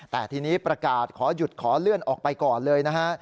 แต่ทีนี้ประกาศขอหยุดขอเลื่อนออกไปก่อนเลยนะฮะ